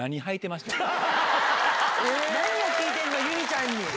何を聞いてんの⁉佑美ちゃんに。